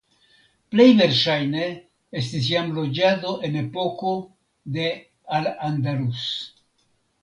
Plej verŝajne estis jam loĝado en epoko de Al Andalus.